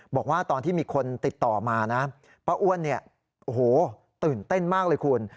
บอกว่าตอนที่มีคนติดต่อมานะป้าอ้วนเนี่ยโอ้โหตื่นเต้นมากเลยคุณ